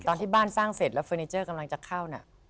ตอนที่บ้านสร้างเสร็จแล้วเฟอร์นิเจอร์กำลังจะเข้าน่ะ